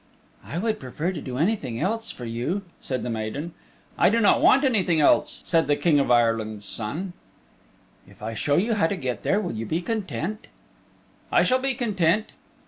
"I would prefer to do anything else for you," said the maiden. "I do not want anything else," said the King of Ireland's Son. "If I show you how to get there will you be content?" "I shall be content."